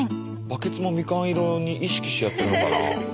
バケツもみかん色に意識してやってるのかな。